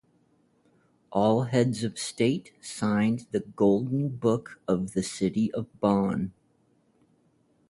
All heads of state signed the Golden Book of the city of Bonn.